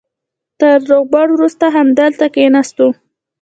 تر روغبړ وروسته همدلته کېناستو.